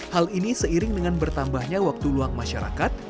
hal ini seiring dengan bertambahnya waktu luang masyarakat